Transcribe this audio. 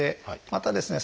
またですね